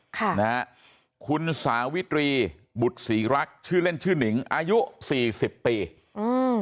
ค่ะนะฮะคุณสาวิตรีบุตรศรีรักษ์ชื่อเล่นชื่อนิงอายุสี่สิบปีอืม